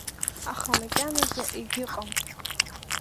Аха макьаназы егьыҟам.